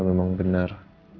kalau memang benar